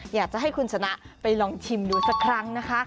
อยากจะให้คุณชนะไปลองชิมดูสักครั้งนะคะ